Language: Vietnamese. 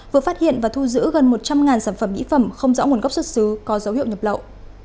vừa phát hiện và thu giữ gần một trăm linh sản phẩm mỹ phẩm không rõ nguồn gốc xuất xứ có dấu hiệu nhập lậu